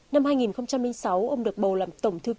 năm hai nghìn sáu ông được bầu làm tổng thư ký thứ tám